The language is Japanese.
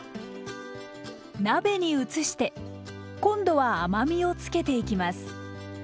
鍋に移して今度は甘みをつけていきます。